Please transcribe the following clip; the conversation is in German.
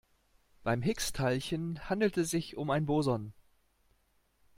Beim Higgs-Teilchen handelt es sich um ein Boson.